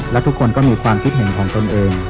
และทุกคนก็มีความคิดเห็นของตนเอง